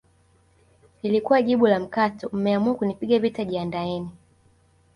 lilikuwa jibu la mkato mmeamua kunipiga vita jiandaeni